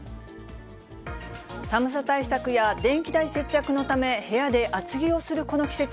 寒さ対策や電気代節約のため、部屋で厚着をするこの季節。